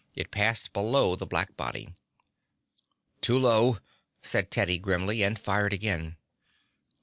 It passed below the black body. "Too low," said Teddy grimly, and fired again.